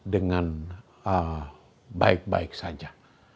dengan baik baik saja